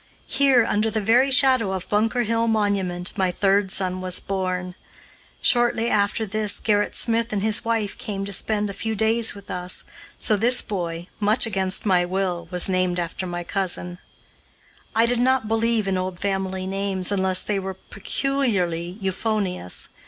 Here, under the very shadow of Bunker Hill Monument, my third son was born. Shortly after this Gerrit Smith and his wife came to spend a few days with us, so this boy, much against my will, was named after my cousin. I did not believe in old family names unless they were peculiarly euphonious.